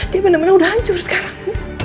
dia benar benar udah hancur sekarang